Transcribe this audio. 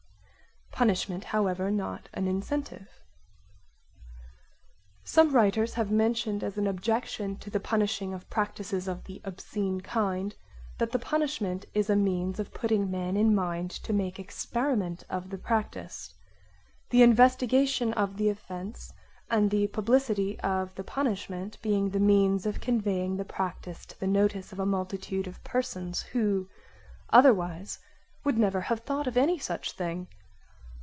Punishment however not an incentive Some writers have mentioned as an objection to the punishing of practises of the obscene kind, that the punishment is a means of putting men in mind to make experiment of the practise: the investigation of the offence and the publicity of the punishment being the means of conveying the practise to the notice of a multitude of persons who otherwise would never have thought of any such thing.